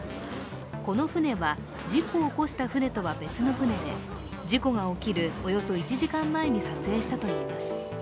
この舟は事故を起こした舟とは別の舟で、事故が起きるおよそ１時間前に撮影したといいます。